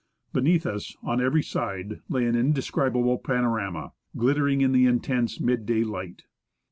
Beneath us, on every side, lay an indescribable panorama, glit tering in the intense mid day light.